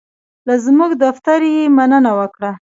له زمونږ دفتر یې مننه وکړه.